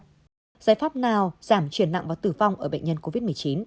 giải pháp nào giảm chuyển nặng và tử vong ở bệnh nhân covid một mươi chín